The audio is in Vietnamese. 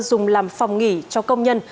dùng làm phòng nghỉ cho công nhân